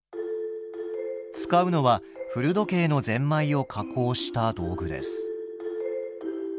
使うのは古時計のゼンマイを加工した道具です。